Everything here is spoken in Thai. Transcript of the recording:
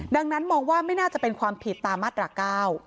ดังนั้นมองว่าไม่น่าจะเป็นความผิดตามมาตรา๙